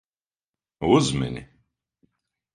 Uzmini.